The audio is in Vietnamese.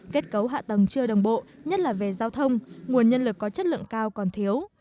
kết cấu hạ tầng chưa đồng bộ nhất là về giao thông nguồn nhân lực có chất lượng cao còn thiếu